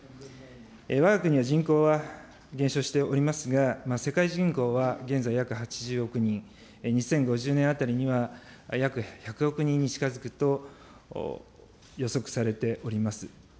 わが国は人口は減少しておりますが、世界人口は現在約８０億人、２０５０年あたりには約１００億人に近づくと予測されております。